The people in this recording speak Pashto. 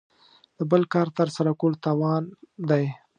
د بل کار تر سره کولو توان دی.